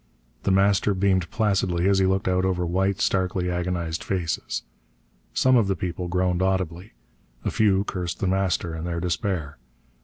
The Master beamed placidly as he looked out over white, starkly agonized faces. Some of the people groaned audibly. A few cursed The Master in their despair.